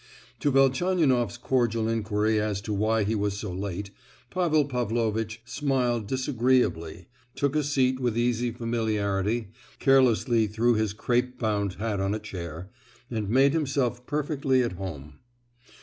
To Velchaninoff's cordial inquiry as to why he was so late, Pavel Pavlovitch smiled disagreeably—took a seat with easy familiarity, carelessly threw his crapebound hat on a chair,—and made himself perfectly at home.